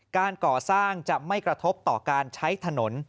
การก่อสร้างจะไม่กระทบต่อการใช้ถนน